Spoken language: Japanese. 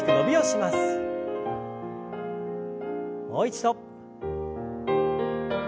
もう一度。